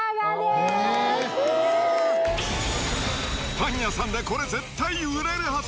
パン屋さんでこれ絶対売れるはず。